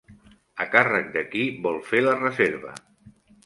A càrrec de qui vol fer la reserva?